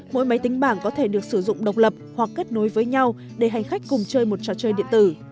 mỗi máy tính bảng có thể được sử dụng độc lập hoặc kết nối với nhau để hành khách cùng chơi một trò chơi điện tử